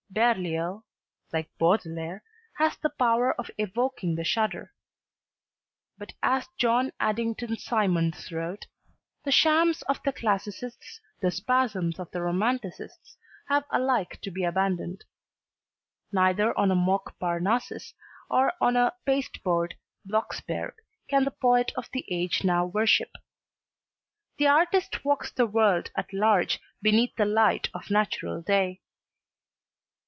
Berlioz, like Baudelaire, has the power of evoking the shudder. But as John Addington Symonds wrote: "The shams of the classicists, the spasms of the romanticists have alike to be abandoned. Neither on a mock Parnassus nor on a paste board Blocksberg can the poet of the age now worship. The artist walks the world at large beneath the light of natural day."